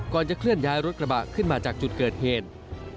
ก่อนจะเคลื่อนย้ายรถกระบะขึ้นมาจากจุดเกิดเหตุ